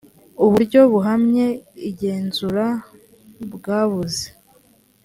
uburyo buhamye igenzura bwabuze.